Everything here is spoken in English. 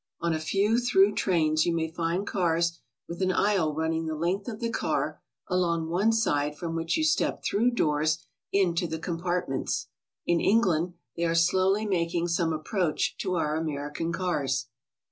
On a few through trains you may find cars with an aisle running the length of the car, along one side, from which you step through doors into the compart ments. In England they are slowly making some approach to our American cars.